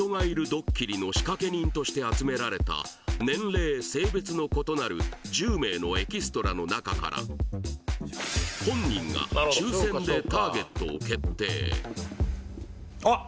ドッキリの仕掛け人として集められた年齢・性別の異なる１０名のエキストラの中から本人が２０代男性です